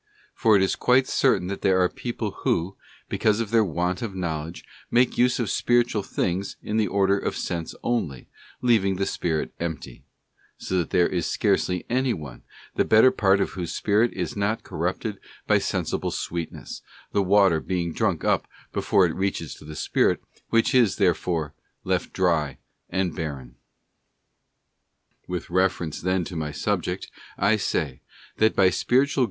For it is quite certain that there are people who, because of their want of knowledge, make use of spiritual things in the order of sense only, leaving the spirit empty; so that there is scarcely any one, the better part of whose spirit is not cor rupted by sensible sweetness, the water being drunk up before it reaches to the spirit, which is, therefore, left dry and barren. With reference then to my subject, I say, that by Spiritual